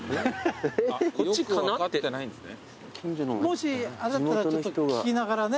もしあれだったら聞きながらね。